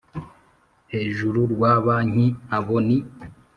hejuru rwa banki Abo ni